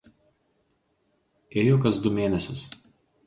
Ėjo kas du mėnesius.